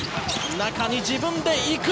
中に自分で行く。